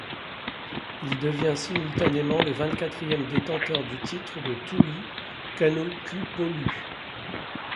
Il devient simultanément le vingt-quatrième détenteur du titre de Tuʻi Kanokupolu.